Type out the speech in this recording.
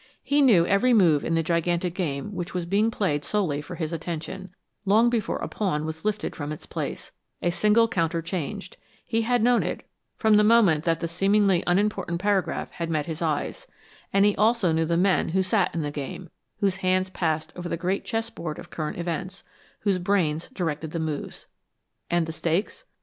He knew every move in the gigantic game which was being played solely for his attention, long before a pawn was lifted from its place, a single counter changed; he had known it, from the moment that the seemingly unimportant paragraph had met his eyes; and he also knew the men who sat in the game, whose hands passed over the great chessboard of current events, whose brains directed the moves. And the stakes?